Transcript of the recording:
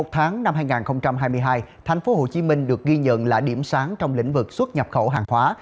một tháng năm hai nghìn hai mươi hai tp hcm được ghi nhận là điểm sáng trong lĩnh vực xuất nhập khẩu hàng hóa